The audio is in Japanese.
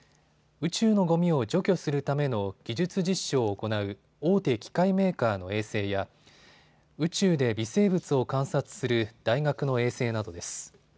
宇宙のごみを除去するための技術実証を行う大手機械メーカーの衛星や宇宙で微生物を観察する大学の衛星などです。